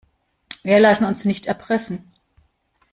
Wir lassen uns nicht erpressen.